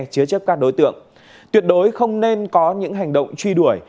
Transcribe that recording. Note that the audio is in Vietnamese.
chứa chấp các đối tượng tuyệt đối không nên có những hành động truy đuổi